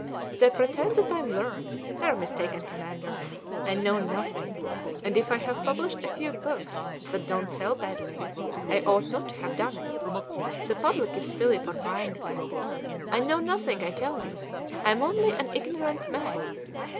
They pretend that I am learned; they are mistaken, commander. I know nothing, and if I have published a few books that don't sell badly, I ought not to have done it; the public is silly for buying them. I know nothing, I tell you. I am only an ignorant man.